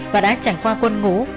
và đã trải qua quân ngũ